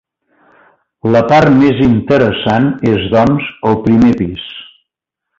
La part més interessant és doncs el primer pis.